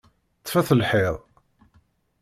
Ṭṭfet lḥiḍ!